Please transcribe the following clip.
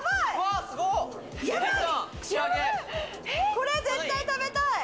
これ絶対食べたい！